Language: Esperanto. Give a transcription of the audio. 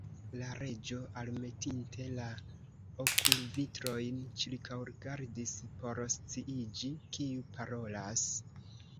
La Reĝo, almetinte la okulvitrojn, ĉirkaŭrigardis por sciiĝi kiu parolas.